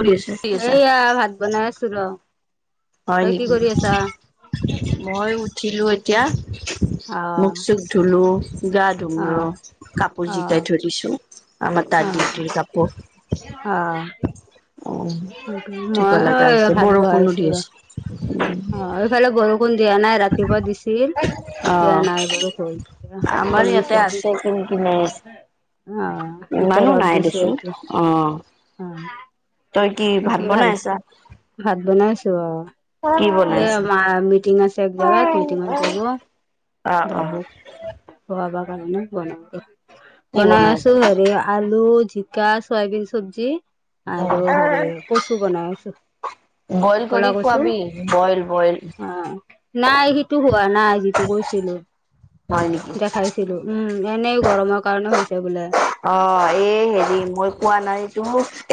শুনিছোঁ। এইয়া ভাত বনাই আছিলোঁ। হয় তই কি নেকি কৰি আছা? মই উঠিলো এতিয়া, অ মুখ-চুখ ধুলো, গা ধুম অ ৰ, কাপোৰ অ জিকাই থৈ দিছোঁ, আমাৰ তাৰ অ ডিউটিৰ কাপোৰ। অ, অ স ধুব মই লগা অই, আছে ভাত বৰষুণো বহাইছো দি ৰ। আছে অ, এইফালে বৰষুণ দিয়া নাই ৰা ৰাতিপুৱা দিছিল, অ এতিয়া নাই বাৰু কমিছে। আমাৰ অ, ইয়াতে আছে কিন কিনাই আছে এতিয়া ইমানো ৰ'দ নাই দিছে দেচোন এতিয়া। অ' তই কি ভাত বাকী ভাল বনাই আছা? ভাত বনাই আছো অ। কি বনাই এই আছা মাৰ মিটিং আছে, এক অ জাগাত মিটিঙত যাব। অ বাবু খোৱাবা কাৰণে নাই বনা, কি বনাই আছা আছো হেৰি আলু, জিকা, চয়াবিন চব্জি আৰু হেৰি কচু বনাওঁছো বইল কৰি ক'লা কচু। খুৱাবি বইল, বইল। অ নাই সেইটো হোৱা নাই যিটো কৈছিলো হয় নেকি দেখাইছ- ছিলো উম এনেই গৰমৰ কাৰণে হৈছে বোলে। অ এই হেৰি মই কোৱা নাইটো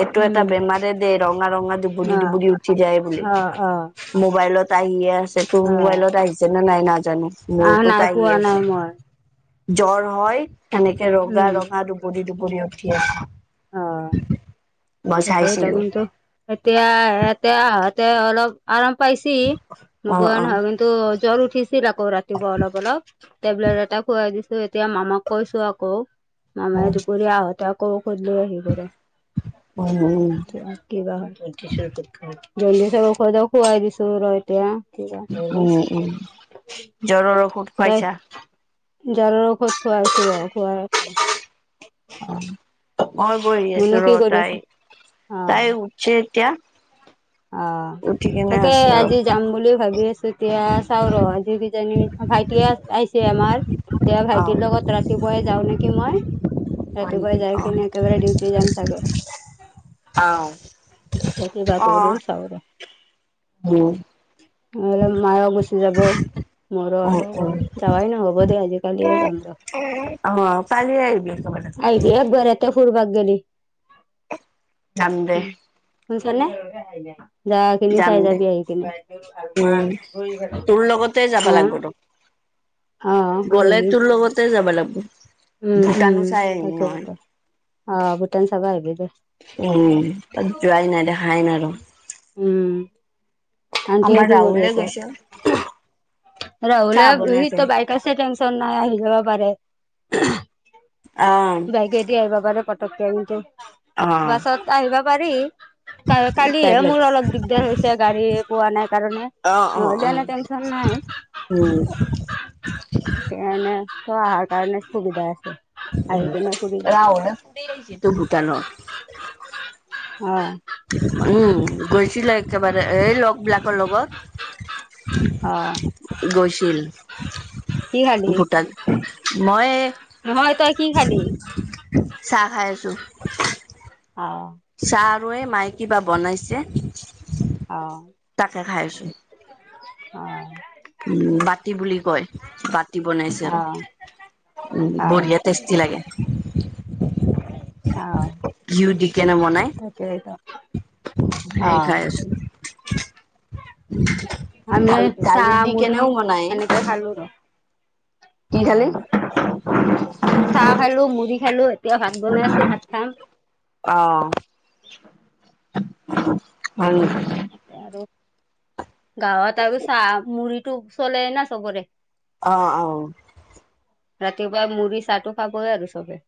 এইটো এটা উম বেমাৰে দ ৰঙা ৰঙা ডুবু অ ডুবুৰি উঠি যায় বোলে। অ অ। মোবাইলত আহিয়ে আছে তোৰ অ মোবাইলত আহিছে নে নাই নাজানো, আহ মোৰতো নাই পোৱা আহিয়ে নাই আছে। [inaudible] জ্বৰ হয়, সেনেকে ৰগা উম ৰগা দুুবৰি দুুবৰি উঠি আছে। অ। মই তাকেই তো চাইছিলো কিন্তু এতিয়া এতে আহতে অলপ। আৰাম পাইছি অ নোপোৱা অ নহয় কিন্তু জ্বৰ উঠিছ- ছিল আকৌ ৰাতিপুৱা অলপ অলপ, টেবলেট এটা খোৱাই দিছো এতিয়া মামাক কৈছো আকৌ। মামাই উম দুপৰীয়া আহঁতে আকৌ ঔষধ লৈ আহিব ৰ। উম কি বা হয়। জল্দি ঔষধ খোৱাই দিছো ৰ এতিয়া। উম উম [unintelligible] জ্বৰৰ। ঔষধ তাই খুৱাইছা জ্বৰৰ ঔষধ খুৱাইছো বাও খুৱাই আছো। অ মই বহি মুনু আছো ৰ কি কৰি তাই আছে অ তাই উঠি এতিয়া। অ। উঠি কেনে তাকে আছে ৰ আজি যাম বুলি ভাবি আছো তেতিয়া চাও ৰ আজি কিজানি ভাই। এতিয়া আহিছে আমাৰ এতিয়া অ ভাইটিৰ লগত ৰাতিপুৱাই যাও নেকি মই। হয় নেকি ৰাতিপুৱাই যাই অ কিনি একেবাৰে ডিউটি যাম চাগে। আউ। এতিয়া কিবা [inaudible] উম। নহলে, মাইয়ো গুচি যাব। মোৰো উম আৰু উম যাৱাই নহ'ব দে আজি কালি যাম ৰ। অ কালি আহিব একেবাৰে। এক বাৰতে ফুুৰবা গেলি। যাম দে। শুনছিলা নে? যখ কিনি যাম দে চাইজাবি আহি কিনে উম তোৰ [unintelligible] লগতে যাবা হা লাগব ত অ', গ'লে আহিবি তোৰ লগতে যাব লাগবো। উম উম, তাকে ত অ ভুটান চাব আহিব দে। উম তাত যোৱাই নাই দেখাই ন ৰ। উম আনটিও আমাৰ কি কৰি ৰাহুলে আছে? গৈছে চাহ ৰাহুলে বনাইছে [unintelligible] বাইক আছে টেনচন নাই আহি যাব পাৰে। আ। বাইক দি আহিব পাৰে পটকে ইন্তু অ বাছত আহিব পাৰি। টাইপ কালিহে লাগ মোৰ অলপ দিগদাৰ হৈছে গাড়ী পোৱা নাই কাৰণে। অ লেনে তেনশন নাই। উম। তেনে চোৱা কাৰণে সুবিধা আছে। আহি উম, কিনে ফুৰি যাবি ৰাহলে ফুৰি আহাইছে তো ভূটানৰ। অহ উম গৈছিলে একেবাৰে এ লগ বিলাকৰ লগত অ'। [unintelligible] গৈছিল কি খালি? ভূটান মই এ এ এ নহয় তই কি খালি? চাহ খাই আছো। অ অ অ চাহ আৰু এ মায়ে কিবা বনাইছে তাকে খাইছো। অ অ অ ঠক ঠক উম বাতি বুলি কয় বাতি বনাইছে আৰু অ'। উম অ', বঢ়িয়া টেষ্ট লাগে ঘিউ দি কেনে বনাই। কেনেকা পি ও ঠক সেয়াই খাই আছো ছুপ আমি আপ টা টা দাল দালি দি কেনেও বনায় ঠঠঠ আলুও দিয়ে। কি খালি? চাহ খালো মুড়ি খালো এতিয়া ভাত বনাই আছো ভাত খাম। অ অ অ হয় নেকি। তাকে আৰু গাঁৱত আৰু চাহ মুড়িটো চলেই না চবৰে। অ অঁ ৰাতিপুৱাই মুড়ি চাহটো খাবই আৰু চবে।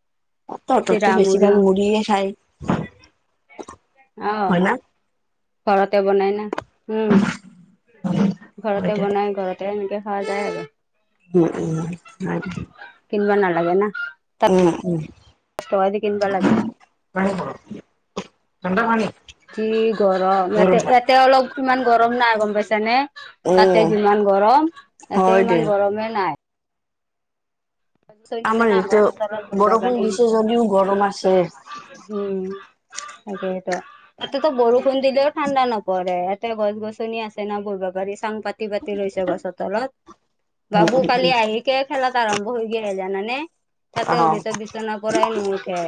তহঁতকে চিৰা বেছি মুড়ি ভাগ মুঢ়িয়েই খায় অ', হয় না। ঘৰতে বনাই না উম হয় ঘৰতে দে বনাই ঘৰত তেনকে খোৱা যায় আৰু পু উম উম নাই এতিয়া কিনবা নালাগে না। দহ উম উম। টকা দি কিনবা লাগে। নাই ঘৰত টুক পানি এটা মণি কি গৰম এতে ইয়াতে অলপ ইমান গৰম নাই গম পাইছা নে। তাতে উম যিমান গৰম ইয়াতে হয় দে ইমান গৰমে নাই। আছে আমাৰ না ইয়াতে গছৰ তলত বহিব বৰষুণ পাৰি দিছে যদিও গৰম আছে। উম উ উ উ তাকেই তো তাতেতো বৰষুণ দিলেও ঠাণ্ডা নপৰে ইয়াতে গছ-গছনি আছে ন বহিব পাৰি চাং পাতি পাতি তিলৈছে গছৰ তলত। উম বাবু উম কালি উম আহিকে খেলাত আৰম্ভ হৈ গেল জানানে? তাতে অ শু'লিতে বিচনাৰ পৰাই নুউঠে।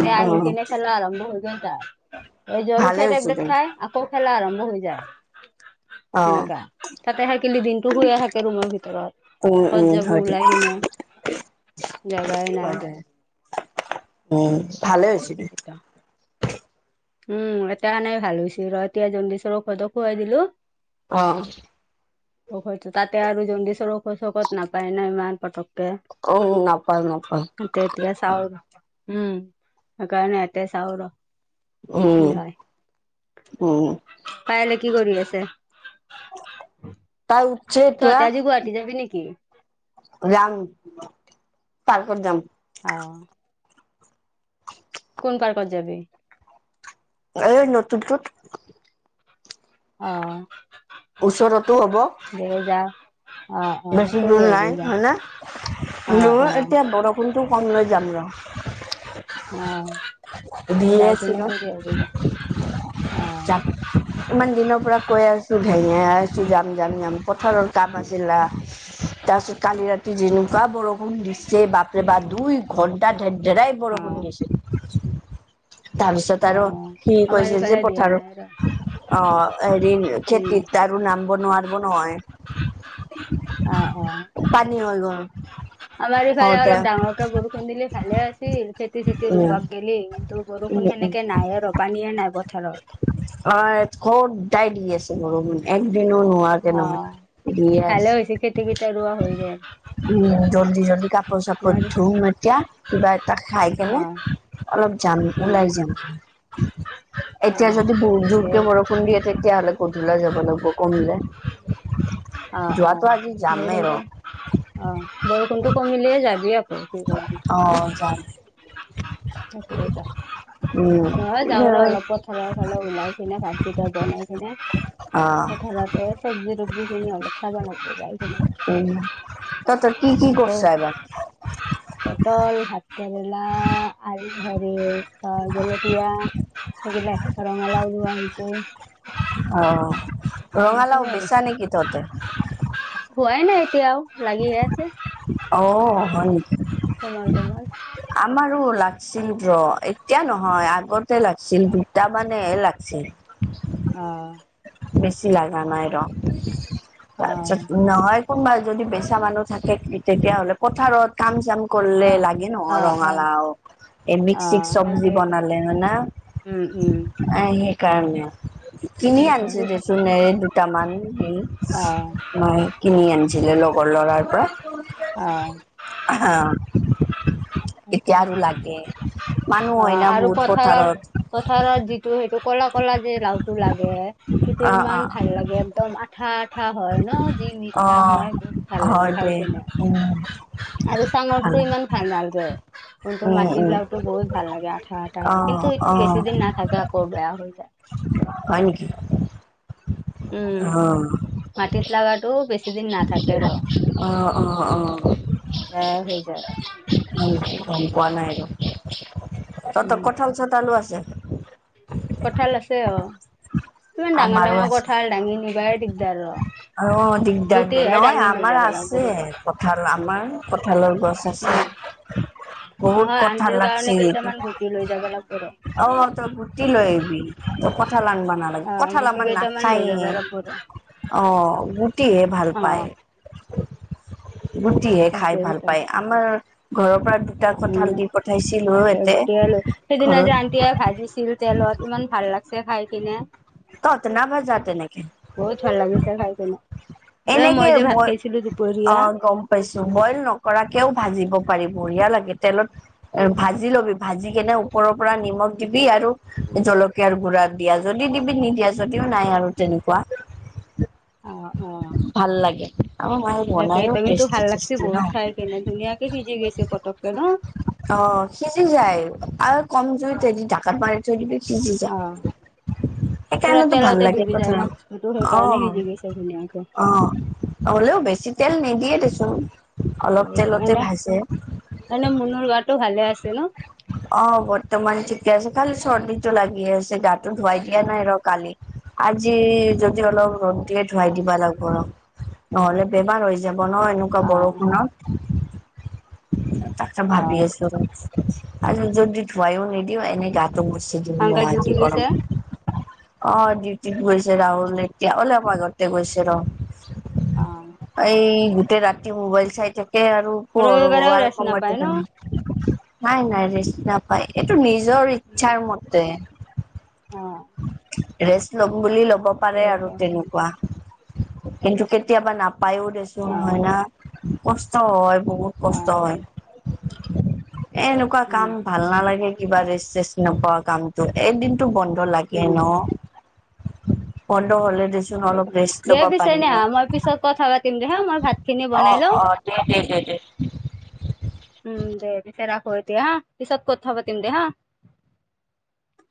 তে অ আহি কেনে খেলা আৰম্ভ হৈ গল তাৰ জ্বৰ ভালে উঠে হৈছে টেবলেট দে খাই। আকৌ খেলা আৰম্ভ হৈ যায়। অ সেনেকা তাতে থাকিলি দিনতটো শুয়ে থাকে ৰুমৰ ভিতৰত। উম কত উম যাব হয় দে ওলাই কিনে জাগাই নাই। ঠক ঠক অ উম উ উ ভালে হৈছি দে। এটা উম এতিয়া এনেই ভাল হৈছে ৰ এতিয়া জণ্ডিচৰ ঔষধও খুৱাই দিলো। অ [unintelligible] অ হয়তো তাতে আৰু জণ্ডিচৰ ঔষধ-চৌষধ নাপায় ন ইমান পটককে। অ উম উম নাপায় নাপায়। উমহ এতি এতিয়া চাও উম কাৰণে এতিয়া চাও ৰ কি উম হয়। উম পায়েলে কি কৰি আছে? তাৰ আৰু তহঁতে আজি গুৱাহাটী যাবি নেকি? যাম, পাৰ্কত যাম', অ অ অ কোন পাৰ্কত যাবি? এ', ন', টোকটোক', অহ', ওচৰতো হ'ব', দে যায়', বেছি দূৰ নাই হয়নে, অ অ এতিয়া বৰষুণটো কমলে যাম ৰ', অহ', দিয়ে আছিলে ন', অ'। যাম', ইমান দিনৰ পৰা কৈ আছোঁ, ভেঙাই আছোঁ যাম, - যাম, -যাম, পথাৰৰ কাম আছিলা', [unintelligible] তাৰপিছত কালি ৰাতি যেনেকুৱা বৰষুণ দিছে বাপৰে বাপ, দুই ঘণ্টা', তা', ধেৰ ধেৰাই বৰষুণ অ', দিছে', তাৰপিছত আৰু অ', সি আমাৰ কৈছে যে ইফালে দিয়া নাই পথাৰত, ৰ। অঁহ', হেৰি', উম, খেতিত আৰু নামিব নোৱাৰিব নহয়', অঁহ', - অঁহ', পানী হৈ গ'ল', আমাৰ ইফালে হওঁতে অলপ ডাঙৰকে বৰষুণ দিলে ভালে আছিল, খেতি- চেতি উম ৰুবাক গেলি', তো', উম বৰষুণ সেনেকে নাইয়ে আৰু পানীয়ে নাই পথাৰত', অঁ', আমাৰ ইয়াত সদাই দি আছে বৰষুণ, একদিনো নোৱাৰো', অ', এতিয়ালৈ দিয়ে ভালে হৈছে খেতি কেইটা ৰোৱা হৈ আছে', গেল। উম', জলদি জলদি আমাৰ কাপোৰ-চাপোৰ ধোম এতিয়া কিবা এটা খাই কেনে', উমঁ', অলপ যাম, ওলাই যাম', এতিয়া অ', যদি বহুত দে জোৰকে বৰষুণ দিয়ে', তেতিয়া হ'লে, গধূলা যাব লাগিব কমিলে, যোৱাটো আজি যামেই ৰ', অঁহ', বৰষুণতো কমিলেই যাবি আকৌ', অঁহ', যাম। তাকেই', উম, নহ'লে যাওঁ, ৰ' অলপ পথাৰৰ ফালে ওলাই কিনে, ভাত কেইটা বনাই কিনে', অঁহ', ঠেলাতে চব্জি তব্জি কিনি‌ অলপ', খাব লাগবো', উমঁ', তহঁতৰ কি, ' কি', আকৌ কৰছা এইবাৰ? পটল, ভাত কেৰেলা আলু হেৰি', অ', জলকীয়া, সেইবিলাক ৰঙালাও ৰোৱা হৈছে', আৰু, সেনেকে ৰঙালাও আৰু বেচা নেকি তহঁতে? হোৱাই নাই এতিয়াও লাগি আছে', অ', হয় নেকি', কোমল কোমল আমাৰো লাগছিল ৰ', এতিয়া নহয় আগতে লাগছিল দুটামান', হে লাগছিল', অহ', বেছি লগা নাই ৰ', অ তাৰপিছত নহয়', কোনোবা যদি বেচা মানুহ থাকে তেতিয়া হ'লে পথাৰত', কাম-চাম কৰিলে অ লাগে ন'হ অ অ ৰঙালাও', এবিধ মিক্স অ চিক্স চব্জি বনালে হয় না', উমঁ', উমঁ', অঁ', সেইকাৰণে। কিনি সেইটো আনিছে দে চোন এই দুটামান হুম', অ মায়ে কিনি আনিছিলে লগৰ ল'ৰাৰ পৰা', অঁ', হ। [unintelligible] এতিয়া তাকেইতো আৰু লাগে', মানুহ অ' হয় না আৰু বহুত পথাৰৰ পথাৰত', পথাৰত যিটো সেইটো ক'লা-ক'লা যে লাওটো লাগে, সেইটো অ ইমান ভাল লাগে। একদম আঠা-আঠা হয় ন' যি অ অ মিঠা হয়, বহুত ভাল লাগে হয় খাই দে কিনে। উম আৰু চাঙৰ ভাল টো ইমান ভাল নেলাগে। কিন্ত উম মাটি উম বিলাকতো বহুত ভাল লাগে, আঠা- আঠা অ হয়। কিন্তু এইটো অ বেছি দিন নাথাকে। আকৌ বেয়া হৈ যায়। হয় নেকি? উম অ'হ মাটিত লগাটো, বেছি দিন নাথাকে ৰ। অ অ বেয়া হৈ যায়। অ, গম পোৱা নাই আৰু তাত উম কঁঠাল-চঠালো আছে। কঁঠাল আছে অ। ইমান আমাৰো ডাঙৰ-ডাঙৰ আছে। কঁঠাল, দাঙি নিবলে দিগদাৰ আৰু। অ, দিগদাৰ। নহয় আমাৰ লাগিব আছে কেতিয়াবা কঁঠাল, আমাৰ কঁঠালৰ গছ গছত, উম বহুত নহয় কঁঠাল আন্টিৰ লাগছে কাৰণে এইটো। কেইটামান গুটি লৈ যাব লাগিব ৰ। অ, তই গুটি লৈ আহিবি। তই কঁঠাল আনব নালাগে অ' কঁঠাল গুটি আমাৰ কেইটামান লৈ নাখায়ে, যাব লাগিব ৰ। অ, গুটিহে ভাল অ' পায়। গুটিহে খাই ভাল তাকেইতো পায়। আমাৰ ঘৰৰ পৰা কঁঠাল উম' দি পঠাইছিলো তাকে এতে গুটিআলু, সেইদিনা যে ঘৰত আন্টিয়ে ভাজিছিল তেলত ইমান ভাল লাগছে। খায় কিনে। ত নাই ভাজা তেনেকে। বহুত ভাল লাগিছে খাই কিনে। এ মই যে ভাত খাইছিলো অ দুপৰীয়া গম পাইছো। বইল নকৰাকেও ভাজিব পাৰি, বঢ়িয়া লাগে। তেলত ভাজি লবি, ভাজি কেনে ওপৰৰ পৰা নিমখ দিবি আৰু জলকীয়াৰ গুড়া দিয়া, যদি দিবি নিদিয়া যদিও নাই আৰু তেনেকুৱা। অ-অ। ভাল লাগে। আমাৰ মায়ে তাকে বনাইও এতিয়া কিন্তু টেষ্টি ভাল লাগছে টেষ্টি ন বহুত খাই কেনে, ধুনীয়াকে সিজি গৈছে, পটককে ন। অ, সিজি যায় আৰু কম জুইত দি ধাকাত মাৰি- যদি পিজি যা, অ' পুৰা সেইকাৰণেতো ভাল তেলতে লাগে কঁঠাল। অ' ত ধুনীয়াকে। অঁ, হ'লেও বেছি তেল নিদিয়ে দেচোন। সেইটো অলপ তেলতে সেইকাৰণে। ভাজে এনে, মোনোৰ গাটো ভালে আছে ন? অ, বৰ্তমান ঠিকে আছে। খালি চৰ্দিটো লাগি আছে। গাটো ধুৱাই দিয়া অ' নাই আৰু কালি। আজি যদি অলপ ৰ'দ দিয়ে, ধুৱাই অ', দিব লাগিব ৰ। নহ'লে বেমাৰ হৈ যাব ন, এনেকুৱা অ', বৰষুণত। ভাবি অ', আছো ৰ আৰু যদি ধুৱাইও নিদিওঁ এনেই গাটো মুচি যদি আংকল নহয় আজি ডিউটি গৈছে গৰম অ, ডিউটিত গৈছে ৰাহুল, এতিয়া অলপ আগতে গৈছে ৰ। অ', এই গোটেই ৰাতি মোবাইল চাই থাকে আৰু- শোৱ আৰু ৰবিবাৰেও শোৱাৰ ৰেষ্ট সময়ত নাপায় ন? দিবি না। নাই-নাই, বেছি নাপায়, এইটো নিজৰ ইচ্ছাৰ মতে। অ। ৰেষ্ট লম বুলি ল'ব পাৰে আৰু তেনেকুৱা। কিন্তু কেতিয়াবা নাপায়ো অ', দেচোন হয় না, কষ্ট হয় বহুত। কষ্ট অ', হয়। এ এনেকুৱা উম, কাম- ভাল নালাগে কিবা ৰেষ্ট-চেছ নোপোৱা কামটো। এদিনতো বন্ধ লাগে উম। ন। বন্ধ হ'লে দিচ দেচোন অলপ ৰেষ্ট দে ল'ব পিছে পাৰি ন। নেহা মই পিছত কথা পাতিম দে হা মই ভাত খিনি বনাই লওঁ। অ-অ। দে-দে-দে-দে। উম' দে, এতিয়া ৰাখো এতিয়া হা, পিছত কথা পাতিম দে হা।